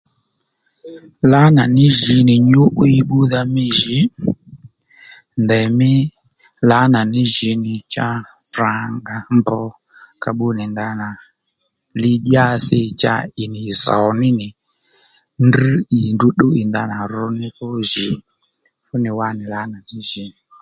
Lǎnà ní jǐ nì nyǔ'wiy bbúdha mí jǐ ndèymí lǎnà ní jǐ nì cha frǎnga mbr ka bbú nì ndanà lidyási cha ì nì zòw ní nì ndrŕ ì ndrǔ ddúw ì ndanà ru ni ndrǔ jì fú nì wá nì lǎnà ní jǐ